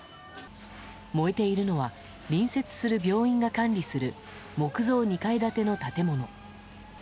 燃えているのは隣接する病院が管理する木造２階建ての建物。